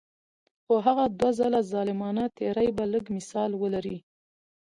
خو هغه دوه ځله ظالمانه تیری به لږ مثال ولري.